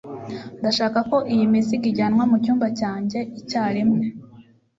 Ndashaka ko iyi mizigo ijyanwa mucyumba cyanjye icyarimwe.